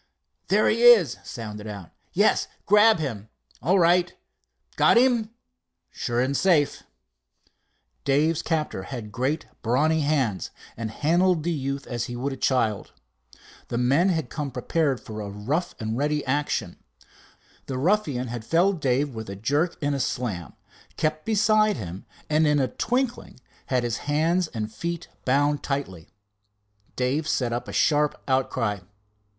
"There he is," sounded out. "Yes, grab him." "All right." "Got him?" "Sure and safe." Dave's captor had great brawny hands and handled the youth as he would a child. The men had come prepared for rough and ready action. The ruffian had felled Dave with a jerk and a slam, kept beside him, and in a twinkling had his hands and feet bound tightly. Dave set up a sharp outcry.